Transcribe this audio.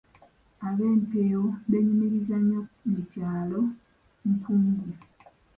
Ab’Empeewo beenyumiriza nnyo mu kyalo Kkungu.